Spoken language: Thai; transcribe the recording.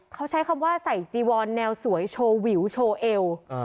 เขาใช้คำว่าใส่จีวอนแนวสวยโชว์วิวโชว์เอว